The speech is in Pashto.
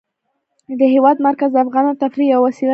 د هېواد مرکز د افغانانو د تفریح یوه وسیله ده.